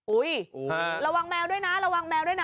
ระวังแมวด้วยนะระวังแมวด้วยนะ